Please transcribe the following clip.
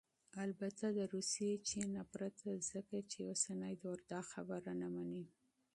البته دروسي ، چين ... نه پرته ، ځكه چې اوسنى دور داخبره مني